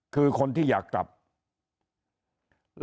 คือคนที่อยากกับหรือคนจับ